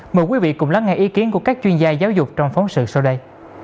mời quý vị cùng lắng nghe ý kiến của các chuyên gia giáo dục trong phóng sự sau đây